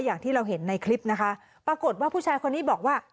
อย่างที่เราเห็นในคลิปนะคะปรากฏว่าผู้ชายคนนี้บอกว่า